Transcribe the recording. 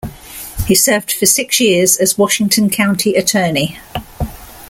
He served for six years as Washington County Attorney.